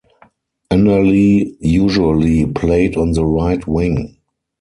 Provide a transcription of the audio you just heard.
Enerly usually played on the right wing.